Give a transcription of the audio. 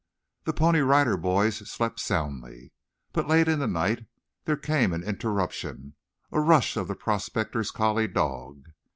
The Pony Rider Boys slept soundly. But late in the night there came an interruption a rush of the prospectors' collie dog.